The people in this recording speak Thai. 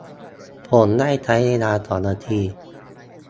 ผมได้ใช้เวลา สอง นาที